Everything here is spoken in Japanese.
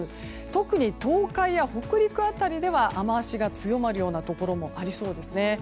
特に東海や北陸辺りでは雨脚が強まるところもありそうですね。